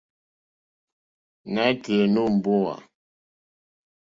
Nǎtɛ̀ɛ̀ nǒ mbówà.